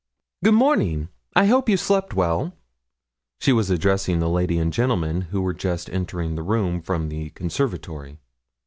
'Good morning. I hope you slept well.' She was addressing the lady and gentleman who were just entering the room from the conservatory.